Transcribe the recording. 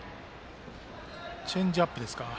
チェンジアップですか。